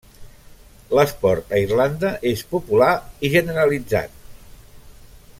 L'esport a Irlanda és popular i generalitzat.